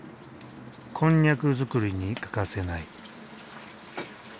こんにゃく作りに欠かせない。